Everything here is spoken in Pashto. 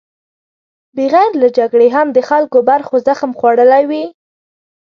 بغیر له جګړې هم د خلکو برخو زخم خوړلی وي.